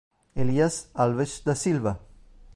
Elias Alves da Silva